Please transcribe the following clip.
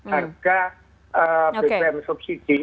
harga bbm subsidi